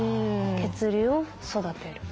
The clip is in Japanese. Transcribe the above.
血流を育てる。